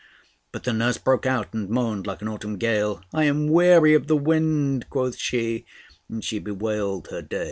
But the nurse broke out and moaned like an autumn gale. "I am weary of the wind," quoth she; and she bewailed her day.